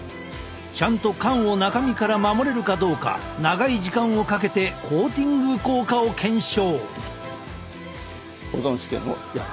ちゃんと缶を中身から守れるかどうか長い時間をかけてコーティング効果を検証。